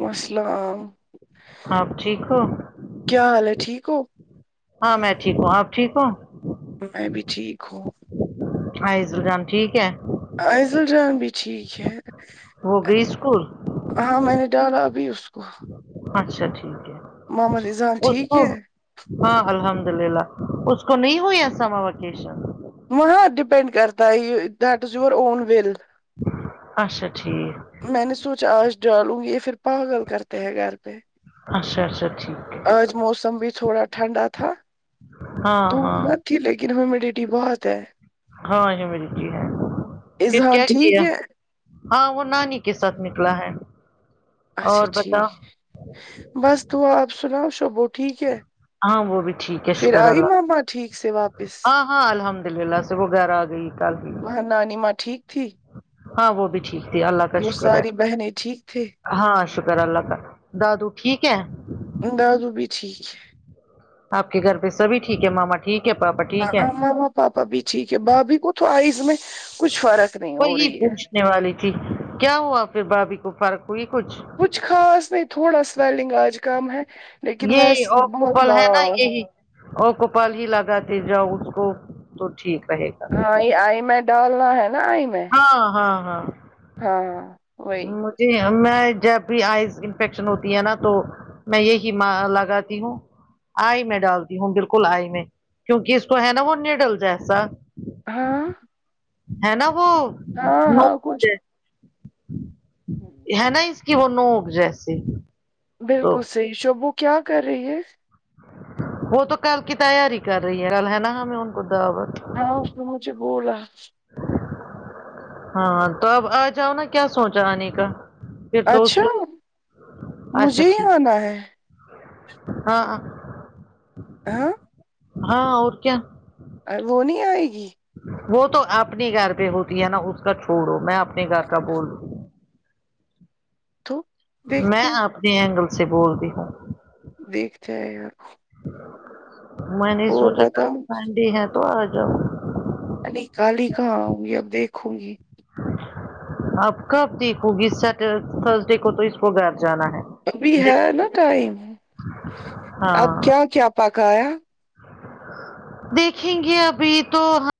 والسلام آپ ٹھیک ہو کیا حال ہے ٹھیک ہو ہاں میں ٹھیک ہوں آپ ٹھیک ہو میں بھی ٹھیک ہوں ہاں عضل جان ٹھیک ہے عضل جان بھی ٹھیک ہے وہ گئی اسکول ہاں میں نے ڈالا ابھی اس کو اچھا ٹھیک ہے محمد رضان اس ٹھیک کو ہے ہاں الحمد للہ اس کو نہیں ہوئی ہیں سمر وکیشن وہاں ڈیپینڈ کرتا ہے that is your own will اچھا ٹھیک میں نے سوچا آج ڈالوں گی یہ پھر پاگل کرتے ہیں گھر پہ اچھا اچھا ٹھیک آج موسم بھی تھوڑا ٹھنڈا تھا تو ہاں ہاں مت تھی لیکن ہیومڈیٹی بہت ہے ہاں ہیومڈیٹی ہے پھر اذہان کیا ٹھیک کیا ہے ہاں وہ نانی کے ساتھ میں کھلا ہے اچھا اور بتاؤ ٹھیک بس دعا آپ سناؤ شبو ٹھیک ہے ہاں وہ بھی ٹھیک ہے پھر شکر آئی اللہ مما ٹھیک سے واپس ہاں ہاں الحمد للہ سے وہ گھر آ گئی کل ہی وہاں نانی ماں ٹھیک تھی ہاں وہ بھی ٹھیک تھی اللہ کا وہ شکر ہے ساری بہنیں ٹھیک تھے ہاں شکر اللہ کا دادو ٹھیک ہے دادو بھی ٹھیک ہے آپ کے گھر پہ سبھی ٹھیک ہے مما ٹھیک ہے پاپا ٹھیک ہے مما اور پاپا بھی ٹھیک ہے بھابھی کو تو آئز میں کچھ فرق نہیں ہو وہی رہی ہے پوچھنے والی تھی کیا ہوا پھر بھابھی کو فرق ہوئی کچھ کچھ خاص نہیں تھوڑا سویلنگ آج کم ہے لیکن یہی ویسی بہت اوکوپل ہے نا لال یہی اوکوپل ہی لگاتے جاؤ اس کو تو ٹھیک رہے گا ہاں یہ آئی میں ڈالنا ہے نا آئی میں ہاں ہاں ہاں ہاں وہی مجھے میں جب آئز انفیکشن ہوتی ہے نا تو میں یہ ہی لگاتی ہوں آئی میں ڈالتی ہوں بالکل آئی میں کیونکہ اس کو ہے نا وہ نڈل جیسا ہاں ہے نا وہ ہاں ہاں کچھ نوک ہے نا اس کی وہ نوک جیسی تو بالکل صحیح شبو کیا کر رہی ہے وہ تو کل کی تیاری کر رہی ہے کل ہے نا ہم لوگ کو دعوت ہاں اس نے بولا ہاں تو اب آ جاؤ نا کیا سوچا آنے کا پھر تو اس اچھا کو اچھا مجھے ہی ٹھیک آنا ہے ہاں ہاں ہاں اور کیا ا وہ نہیں آئے گی وہ تو اپنے گھر پہ ہوتی ہے نا اس کا چھوڑو میں اپنے گھر کا بولوں تو میں دیکھتے اپنے اینگل سے بول رہی ہوں دیکھتا ہے میں نے سوچا بتاؤ انڈی ہے تو آ جاؤ نہیں کالی کہاں آؤں گی اب دیکھوں گی اب کب دیکھو گی سٹر تھرسڈے کو تو اس کو گھر جانا ہے ابھی ہے نا ٹائم اب ہاں کیا کیا پکایا دیکھیں گے ابھی تو ہم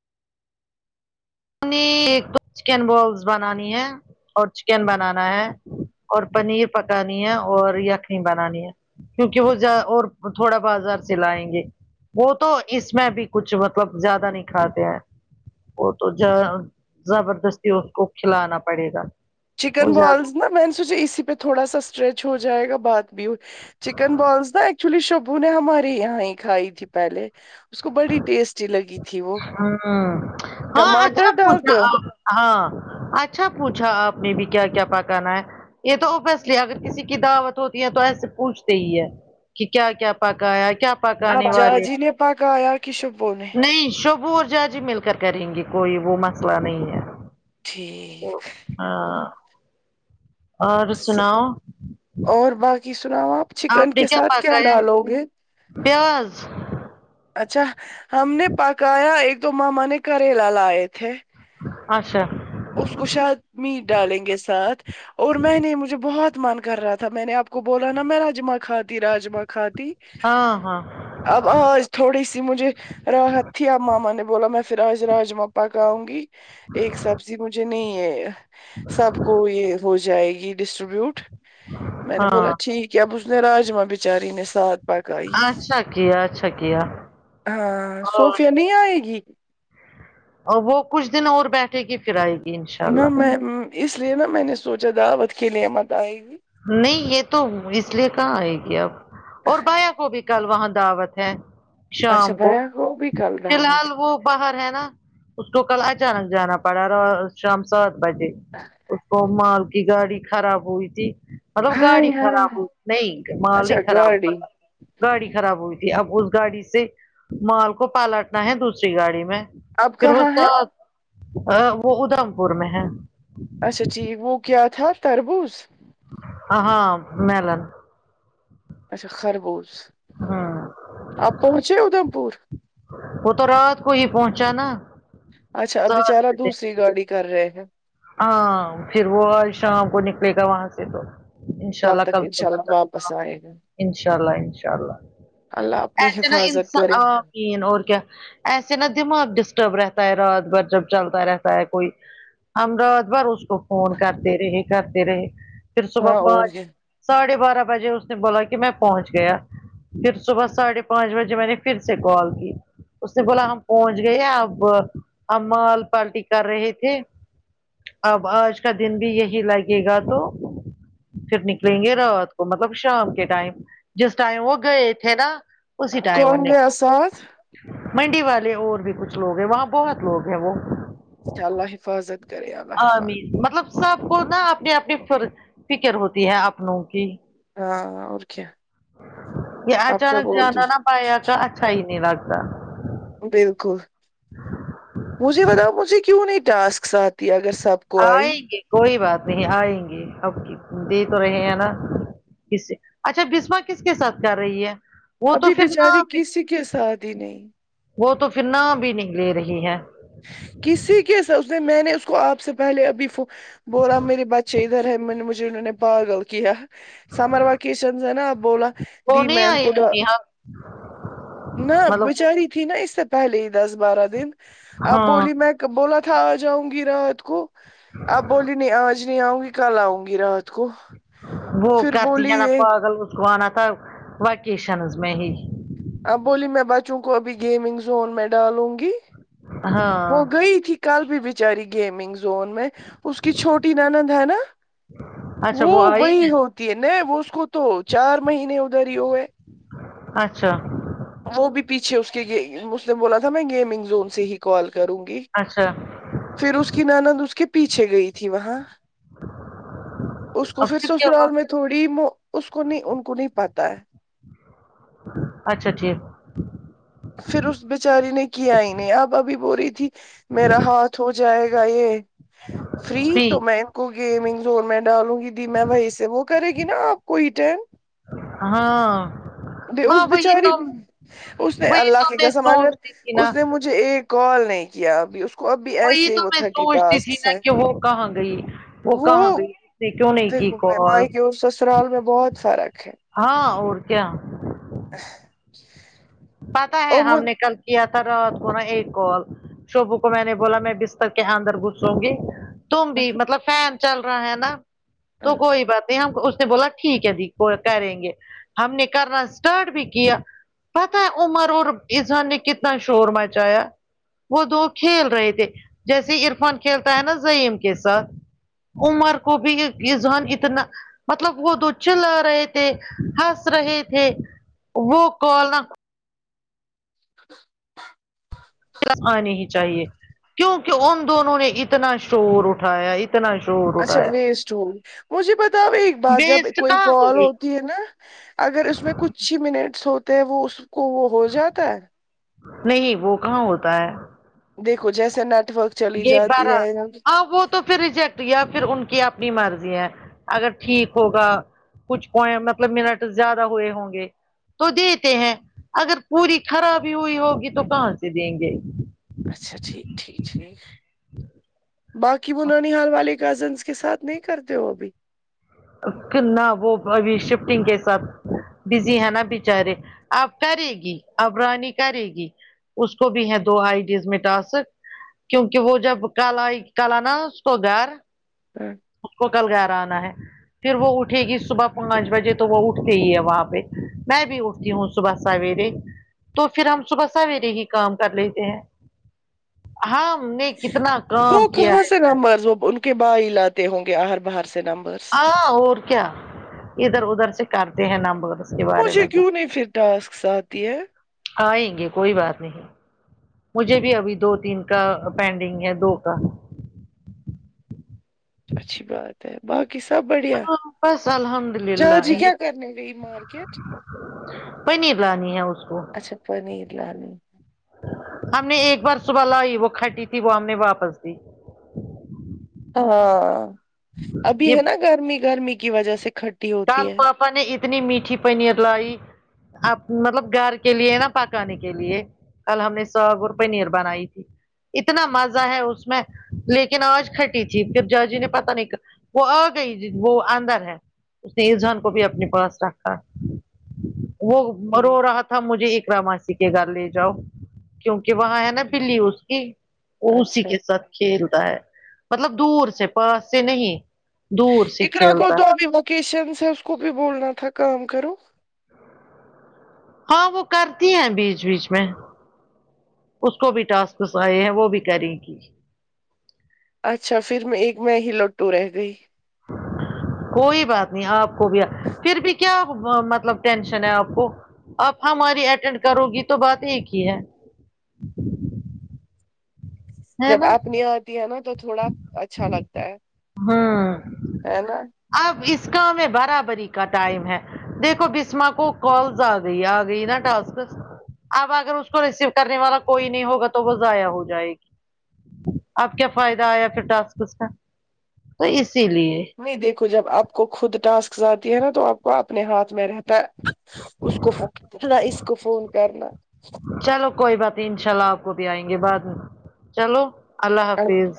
نے ایک تو چکن بولس بنانی ہے اور چکن بنانا ہیں اور پنیر پکانی ہے اور یخنی بنانی ہے کیونکہ وہ اور تھوڑا بازار سے لائیں گے وہ تو اس میں بھی کچھ مطلب زیادہ نہیں کھاتے ہیں وہ تو ج زبردستی اس کو کھلانا پڑے گا وہ چکن زیادہ بالز نہا میں نے سوچے اسی پہ تھوڑا سا اسٹریچ ہو جائے گا بعد چکن بالس نا ایکچولی شبو نے ہمارے یہاں ہی کھائی تھی پہلے اس کو بڑی ٹیسٹی لگی تھی وہ ہوں ہاں اچھا ٹماٹر پوجا ڈالتے ہو آپ ہاں اچھا پوچھا آپ نے بھی کیا کیا پکانا ہے یہ تو اوبوسلی اگر کسی کی دعوت ہوتی ہے تو ایسے پوچھتے ہی ہے کہ کیا کیا پکایا کیا پکانے آپ والے جاجی نے پکایا کہ شبو نے نہیں شب وہ جاج ہی مل کر کریں گی کوئی وہ مسئلہ نہیں ہے ٹھیک ہاں اور سناؤ اور باقی سناؤ آپ چکن کے ساتھ کیا ڈالو گے پیاز اچھا ہم نے پکایا ایک دو ماما نے کریلا لائے تھے اچھا اس کو شاید میٹ ڈالیں گے ساتھ اور میں نے مجھے بہت من کر رہا تھا میں نے آپ کو بولا نا میں راجما کھاتی راجما کھاتی ہاں ہاں اب آج تھوڑی سی مجھے راحت تھی اب ماما نے بولا میں پھر آج راجما پکاؤں گی ایک سبزی مجھے نہیں ہے سب کو یہ ہو جائے گی ڈسٹریبیوٹ میں نے بولا ہاں ٹھیک ہے اب اس نے راجما بچاری نے ساتھ پکائی اچھا کیا اچھا کیا ہاں اور صوفیہ نہیں آئے گی اور وہ کچھ دن اور بیٹھ ٹھے کی پھر آئے گی انشاء نہ اللہ میں اس لیے نا میں نے سوچا دعوت کے لیے مت آئے گی نہیں یہ تو اس لیے کہاں آئے گی اب اور بھیا کو بھی کل وہاں دعوت ہے اچھا شام کو بھیا ہو بھی کل فی دعوت الحال وہ باہر ہے نا اس کو کل اچانک جانا پڑا را شام سات بجے اس کو مال کی گاڑی خراب ہوئی تھی مطلب ہاں گاڑی ہاں خراب ہاں. ہو نہیں مال اچھا ہی خراب گاڑی گاڑی خراب ہوئی تھی اب اس گاڑی سے مال کو پالٹنا ہے دوسری گاڑی میں اب پھر وہ کہاں ہے ساتھ ا وہ ادھم پور میں ہے اچھا ٹھیک وہ کیا تھا تربوز ہ ہاں میلن اچھا خربوز ہوں آپ پہنچے ادھم پور وہ تو رات کو ہی پہنچا نا اچھا سو بچارا روپے دوسری گاڑی کر رہے ہیں ہاں پھر وہ آج شام کو نکلے گا وہاں سے تو انشاء اللہ تک کل انشاء صبح اللہ تک آں واپس آئے گا انشاء اللہ انشاء اللہ اپنی ایسے نا حفاظت انسا کرے آں تین اور کیا ایسے نا دماغ ڈسٹرب رہتا ہے رات بھر جب چلتا رہتا ہے کوئی ہم رات بھر اس کو فون کرتے رہے کرتے رہے پھر صبح ہاں اور پانچ کیا ساڑھے بارہ بجے اس نے بولا کہ میں پہنچ گیا پھر صبح ساڑھے پانچ بجے میں نے پھر سے کال کی اس نے بولا ہم پہنچ گئے اب ہم مال پالٹی کر رہے تھے اب آج کا دن بھی یہی لگے گا تو پھر نکلیں گے رات کو مطلب شام کے ٹائم جس ٹائم وہ گئے تھے نا اسی ٹائم کون نے گیا ساتھ منڈی والے اور بھی کچھ لوگ ہیں وہاں بہت لوگ ہیں وہ ان شاء اللہ حفاظت کرے اللہ آمین حفاظت مطلب سب کو نا اپنی اپنی فر فکر ہوتی ہے اپ نو کی ہاں اور کیا یہ آپ کیا اچانک بول جانا نہ رہی بھیا کا صحیح نہیں لگتا بالکل مجھے بتاؤ مجھے کیوں نہیں ٹاسکس آتی اگر سب کو آئے آئی گے کوئی بات نہیں آئے گے اب دے تو رہے ہیں نا کسے اچھا بسما کس کے ساتھ کر رہی ہے وہ تو ابھی پھر بچاری نہ کسی کے ساتھ ہی نہیں وہ تو پھر نام بھی نہیں لے رہی ہے کسی کے سر میں نے اس کو آپ سے پہلے ابھی فک بولا میرے بچے ادھر ہے میں نے مجھے انہوں نے پاگل کیا سمر وکیشنز ہے نابولا وہ دی نہیں میں نے آئی بول نیہا نہ مطلب بچاری تھی نا اس طح پہلے ہی دس بارہ دن اب ہاں بولی میں بولا تھا آ جاؤں گی رات کو اپ بولی نہیں آج نہیں آؤں گی کل آؤں گی رات کو وہ پھر کرتی بولی ہے نا یہ پاگل اس کو انا تھا وکیشنز میں ہی اب بولی میں بچوں کو ابھی گیمنگ زون میں ڈالوں گی وہ ہاں گئی تھی کل بھی بیچاری گیمنگ زون میں اس کی چھوٹی نند ہے نا اچھا وہ آئی وہی ہے ہو تی ن وہ اس کو تو چار مہینے اداری ہو گئے اچھا وہ بھی پیچھے اس کے اس نے بولا تھا میں گیمنگ زون سے ہی کال کروں گی اچھا پھر اس کی نند اس کے پیچھے گئی تھی وہاں اس کو اب پھر کیا ہوا سسرال میں تھوڑی اس کو نہیں ان کو نہیں پاتا ہے اچھا ٹھیک پھر اس بیچاری نے کیا ہی نہیں آپ ابھی بول رہی تھی میرا ہاتھ ہو جائے گا یہ فری تو میں کو گیمنگ زون میں ڈالوں گی دی میں وہی سے وہ کرے گی نا آپ کو اٹین ہاں جی اس ہاں وہی بچاری تو اس نے وہی اللہ تو کی میں قسم اگر سوچتی تھی نا اس نے مج جھے ایک کال نہیں کیا ابھی اس کو اب بھی وہی ایسے ہی تو وہ میں تھرٹی سوچتی تھی ٹاسک نا ہیں کہ وہ کہاں گئی وہ کہاں گئی اس نے کیوں نہیں کی کال مائیکے اور سسرال میں بہت فرق ہے ہاں اور کیا پتا ہے اور ہم نے کل کیا تھا رات کو نا ایک کال شبو کو میں نے بولا میں بستر کے اندر گھسوں گی تم بھی مجھ- مطلب فین چل رہا ہے نا تو کوئی بات ہم اس نے بولا ٹھیک ہے دی کریں گے ہم نے کرنا اسٹارٹ بھی کیا پتا ہے عمر اور اذان نے کتنا شور مچایا وہ دو کھیل رہے تھے جیسے عرفان کھیلتا ہے نا زعیم کے ساتھ عمر کو بھی یہ ازحان اتنا مطلب وہ دو چیلا رہے تھے ہنس رہے تھے وہ کال نا [inaudible] نہیں چاہیے کیونکہ ان دونوں نے اتنا شور اٹھایا اتنا شور اچھا اٹھایا ویسٹ ہو مجھے بتاؤ ایک بار جب ویسٹ کوئی کہاں کال ہو ہوگی تی ہے نا اگر اس میں کچھ ہی منٹس ہوتے ہیں وہ اس کو وہ ہو جاتا ہے نہیں وہ کہاں ہوتا ہے دیکھو جیسے نیٹ ورک چلی یہ جاتی بارہ ہے یا- ہاں وہ تو پھر ریجیکٹ یا پھر ان کی اپنی مرضی ہے اگر ٹھیک ہوگا کچھ پون مطلب منٹ زیادہ ہوئے ہوں گے تو دیتے ہیں اگر پوری خرابی ہوئی ہوگی تو کہاں سے دیں گے اچھا ٹھیک ٹھیک ٹھیک باقی وہ ننیہال والے کزنس کے ساتھ نہیں کرتے ہو ابھی فرنا وہ ابھی شفٹنگ کے ساتھ بزی ہے نا بچارے آب کرے گی اب رانی کرے گی اس کو بھی ہے دو آئی ڈیز میں ٹاسک کیونکہ وہ جب کل آئی کل آ نا اس کو گھر ہاں۔ اسکو کل گھر آنا ہے پھر وہ اٹھے گی صبح پانچ بجے تو وہ اٹھتے ہی ہے وہاں پہ میں بھی اٹھ تی ہوں صبح سویرے تو پھر ہم صبح سویرے ہی کام کر لیتے ہیں ہاں ہم نے کتنا کام وہ کیا کہاں ہے سے سوے نمبرز وہ ان کے بھائی لاتے ہوں گے آہر باہر سے نمبر ہاں اور کیا ادھر ادھر سے کرتے ہیں نمبر کے بارے مجھے میں کچھ کیوں نہیں پھر ٹاسکس آتی ہے آئیں گے کوئی بات نہیں مجھے بھی ابھی دو تین کا پینڈنگ ہے دو کا اچھی بات ہے باقی سب بڑھیا ہاں بس الحمد للہ جہاجی یہ کیا کرنے گئی مارکٹ پنیر لانی ہے اس کو اچھا پنیر لا نے ہم نے ایک بار صبح لائی وہ کھٹی تھی وہ ہم نے واپس دی ہاں ابھی یہ ہے نا گرمی گرمی کی وجہ سے کھٹ کل پاپا نے اتنی میٹھی پنیر لائی آپ مطلب گھر کے لیے نا پکانے کے لیے کل ہم نے ساگ اور پنیر بنائی تھی اتنا مزہ ہے اس میں لیکن آواز کھٹی تھی پھر جاجی نے پتا نہیں ک وہ آ گئی جی وہ اندر ہے اس نے ایذان کو بھی اپنے پاس رکھا وہ رو رہا تھا مجھے ایک اقرا ماسی کے گھر لے جاؤ کیونکہ وہاں ہے نا بلی اس کی وہ اسی اچھا کے ساتھ کھیلتا ہے مطلب دور سے پاس سے نہیں دور سے اقرا کو کھیلتا تو ہے۔ ابھی وکیشنس ہے اس کو بھی بولنا تھا کام کرو ہاں وہ کرتی ہیں بیچ بیچ میں اس کو بھی ٹاسکس آئے ہیں وہ بھی کری گی اچھا پھر میں ایک میں ہی لٹو رہ گئی کوئی بات نہیں آپ کو بھی پھر بھی کیا مطلب ٹینشن ہے آپ کو آپ ہماری اٹینڈ کرو گی تو بات ایک ہی ہے ہے جب نا آپ نی آتی ہے نا تو تھوڑا اچھا لگتا ہے ہوں ہے نا اب اس کا ہم میں برابری کا ٹائم ہے دیکھو بسما کو کالز آ گئی آ گئی نا ٹسکس اب اگر اس کو ریسیو کرنے والا کوئی نہیں ہوگا تو وہ ضائع ہو جائے گی اب کیا فائدہ آیا پھر ٹاسکس کا تو اسی لیے نہیں دیکھو جب آپ کو خود ٹاسک آتی ہے نا تو آپ کو اپنے ہاتھ میں رہتا ہے اس کو فون تھوڑا اس کو فون کرنا چلو کوئی بات نہیں ان شاء اللہ آپ کو بھی آئیں گے بعد میں چلو اللہ حافظ